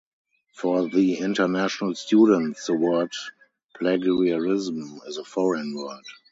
For the international students the word plagiarism is a foreign word.